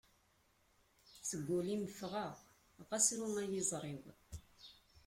Seg ul-im fɣeɣ, xas ru ay iẓri-w.